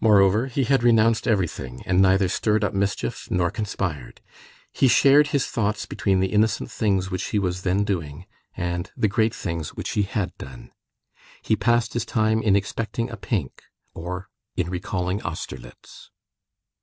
Moreover, he had renounced everything, and neither stirred up mischief nor conspired. He shared his thoughts between the innocent things which he was then doing and the great things which he had done. He passed his time in expecting a pink or in recalling Austerlitz.